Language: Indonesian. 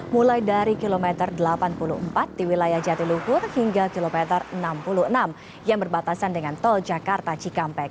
mulai dari kilometer delapan puluh empat di wilayah jatiluhur hingga kilometer enam puluh enam yang berbatasan dengan tol jakarta cikampek